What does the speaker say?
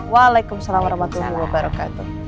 waalaikumsalam warahmatullahi wabarakatuh